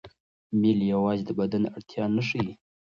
میل یوازې د بدن اړتیا نه ښيي.